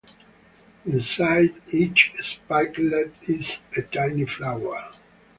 Inside each spikelet is a tiny flower.